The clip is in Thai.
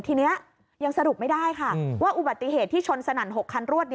ทีนี้ยังสรุปไม่ได้ค่ะว่าอุบัติเหตุที่ชนสนั่น๖คันรวด